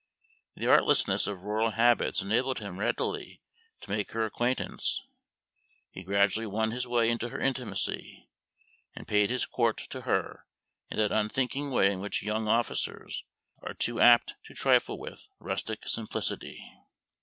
The artlessness of rural habits enabled him readily to make her acquaintance; he gradually won his way into her intimacy, and paid his court to her in that unthinking way in which young officers are too apt to trifle with rustic simplicity.